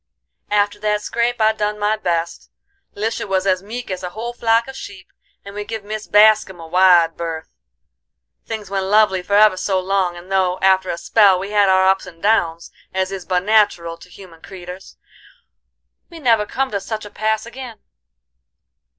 "After that scrape I done my best; Lisha was as meek as a whole flock of sheep, and we give Mis Bascum a wide berth. Things went lovely for ever so long, and though, after a spell, we had our ups and downs, as is but natural to human creeters, we never come to such a pass agin.